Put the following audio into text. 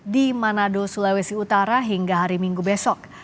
di manado sulawesi utara hingga hari minggu besok